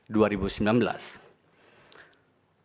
dan kita akan membahasnya di video selanjutnya